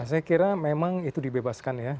saya kira memang itu dibebaskan ya